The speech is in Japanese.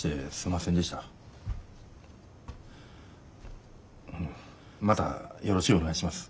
またよろしゅうお願いします。